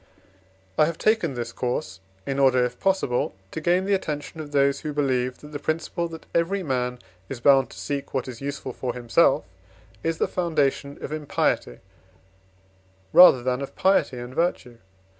I have taken this course, in order, if possible, to gain the attention of those who believe, that the principle that every man is bound to seek what is useful for himself is the foundation of impiety, rather than of piety and virtue.